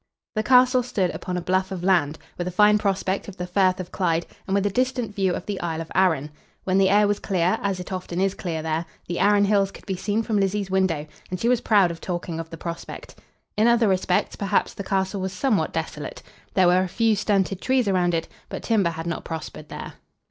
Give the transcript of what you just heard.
The castle stood upon a bluff of land, with a fine prospect of the Firth of Clyde, and with a distant view of the Isle of Arran. When the air was clear, as it often is clear there, the Arran hills could be seen from Lizzie's window, and she was proud of talking of the prospect. In other respects, perhaps, the castle was somewhat desolate. There were a few stunted trees around it, but timber had not prospered there.